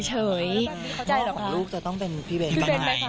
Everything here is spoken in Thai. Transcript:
เข้าใจหรือว่าลูกจะต้องเป็นพี่เบนประมาณนั้น